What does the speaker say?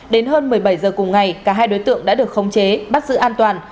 đến hơn một mươi bảy h cùng ngày cả hai đối tượng đã được khống chế bắt giữ an toàn